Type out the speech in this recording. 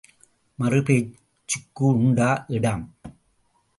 மறுபேச்சுக்கு உண்டா இடம்?